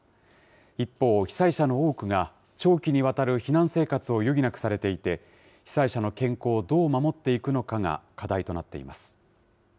一方、被災者の多くが、長期にわたる避難生活を余儀なくされていて、被災者の健康をどう守っていくのかが課題となっています。